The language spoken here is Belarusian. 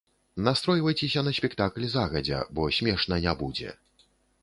Настройвайцеся на спектакль загадзя, бо смешна не будзе.